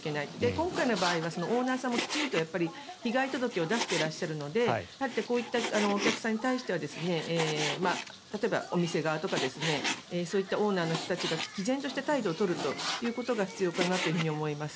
今回の場合はオーナーさんもきちんと被害届を出しているのでこういったお客さんに対しては例えば、お店側とかそういったオーナーの人たちがきぜんとした態度を取るということが必要かなと思います。